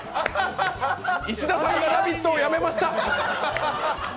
石田さんが「ラヴィット！」をやめました！